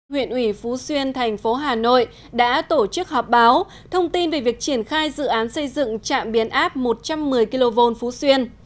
huyện ủy phú xuyên thành phố hà nội đã tổ chức họp báo thông tin về việc triển khai dự án xây dựng trạm biến áp một trăm một mươi kv phú xuyên